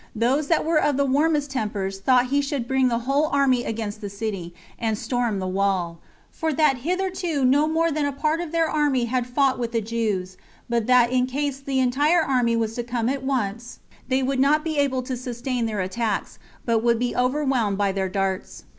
Those that were of the warmest tempers thought he should bring the whole army against the city and storm the wall; for that hitherto no more than a part of their army had fought with the Jews; but that in case the entire army was to come at once, they would not be able to sustain their attacks, but would be overwhelmed by their darts.